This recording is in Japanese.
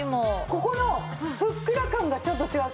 ここのふっくら感がちょっと違う。